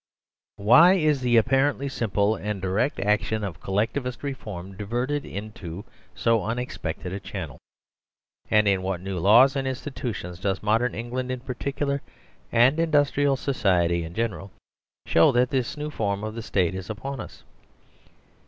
Why is the apparently simple and direct action of Collectivist reform diverted into so unexpected a channel? And in what new laws and institutions does 116 EASIEST SOLUTION modern England in particular and industrial society in general show that this new form of the State is upon us?